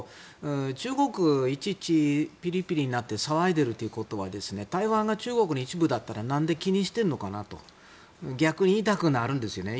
中国、いちいちピリピリして騒いでいるということは台湾が中国の一部だったらなんで気にしているのかなと逆に言いたくなるんですね。